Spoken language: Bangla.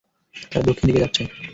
তারা দক্ষিণ দিকে যাচ্ছে।